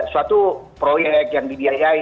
suatu proyek yang dibiayai